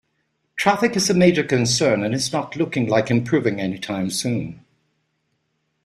Traffic is a major concern and is not looking like improving any time soon.